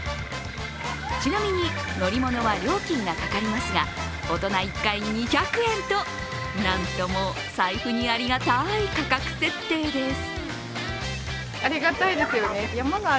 ちなみに乗り物は料金がかかりますが、大人１回、２００円と、何とも財布にありがたい価格設定です。